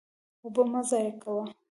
اوبه مه ضایع کوه.